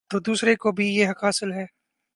تو دوسرے کو بھی یہ حق حاصل ہے۔